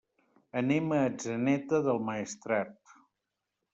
Anem a Atzeneta del Maestrat.